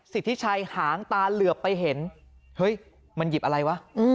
สิทธิชัยหางตาเหลือบไปเห็นเฮ้ยมันหยิบอะไรวะ